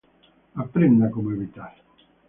aprenda cómo evitar